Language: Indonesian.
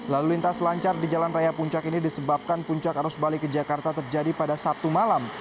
lalu lintas lancar di jalan raya puncak ini disebabkan puncak arus balik ke jakarta terjadi pada sabtu malam